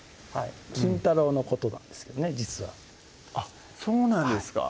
金太郎のことなんですけどね実はあっそうなんですか